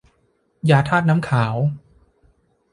ยาธาตุน้ำขาว